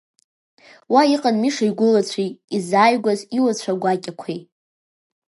Уа иҟан Миша игәылацәеи, изааигәаз иуацәа гәакьақәеи.